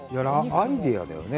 アイデアだよね。